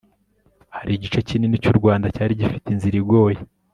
hari igice kinini cy'u rwanda cyari gifite inzira igoye